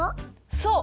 そう！